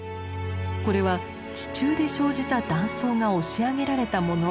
これは地中で生じた断層が押し上げられたもの。